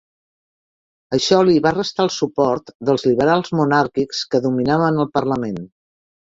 Això li va restar el suport dels liberals monàrquics, que dominaven el parlament.